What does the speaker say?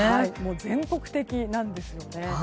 全国的なんですよね。